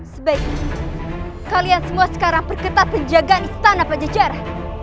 sebaiknya kalian semua sekarang berketat menjaga istana pajajara